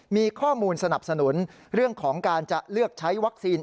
มีข้อมูลสนับสนุนเรื่องของการจะเลือกใช้วัคซีน